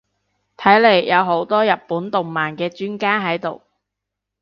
睇嚟有好多日本動漫嘅專家喺度